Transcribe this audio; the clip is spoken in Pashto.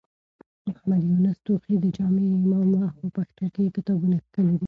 محمد يونس توخى د جامع امام و او په پښتو کې يې کتابونه کښلي.